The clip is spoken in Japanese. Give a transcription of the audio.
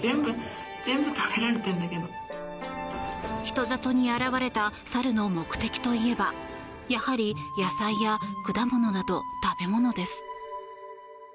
人里に現れた猿の目的といえばやはり野菜や果物など食べ物です。